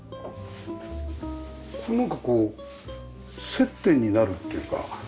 なんかこう接点になるっていうか。